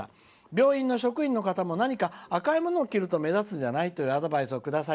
病院の職員の方も赤いものを着ると目立つんじゃない？とアドバイスをいただき